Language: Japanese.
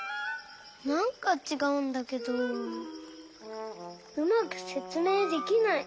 なんかちがうんだけどうまくせつめいできない。